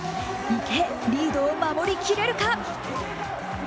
池江、リードを守りきれるか？